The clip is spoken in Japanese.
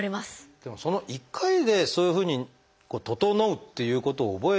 でもその一回でそういうふうに整うっていうことを覚えるとね